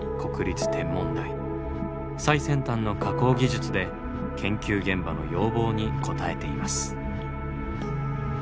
最先端の加工技術で研究現場の要望に応えています。